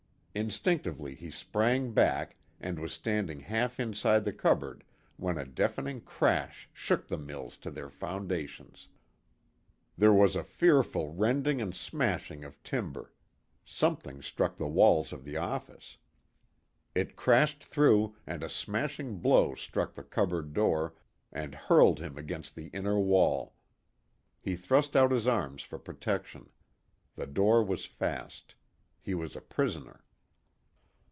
Instinctively he sprang back, and was standing half inside the cupboard when a deafening crash shook the mills to their foundations. There was a fearful rending and smashing of timber. Something struck the walls of the office. It crashed through, and a smashing blow struck the cupboard door and hurled him against the inner wall. He thrust out his arms for protection. The door was fast. He was a prisoner.